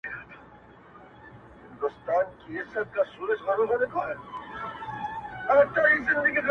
دا خو رښتيا خبره’